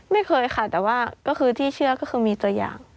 ไม่เคยค่ะแต่ว่าก็คือที่เชื่อก็คือมีตัวอย่าง